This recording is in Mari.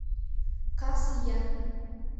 Кас ия!